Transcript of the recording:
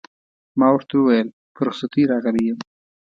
ما ورته وویل: په رخصتۍ راغلی یم.